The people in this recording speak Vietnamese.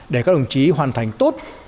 để các đồng chí hoàn thành tốt